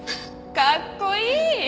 かっこいい！